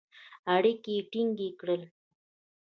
اړیکي یې ټینګ کړل.